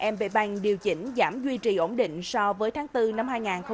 mb bank điều chỉnh giảm duy trì ổn định so với tháng bốn năm hai nghìn hai mươi